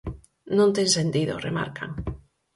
"Non ten sentido", remarcan.